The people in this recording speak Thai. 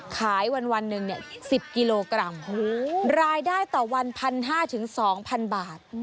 ขายวันวันหนึ่งเนี้ยสิบกิโลกรัมโหรายได้ต่อวันพันห้าถึงสองพันบาท